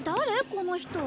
この人。